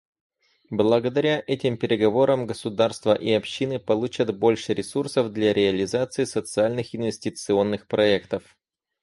Благодаря этим переговорам государство и общины получат больше ресурсов для реализации социальных инвестиционных проектов.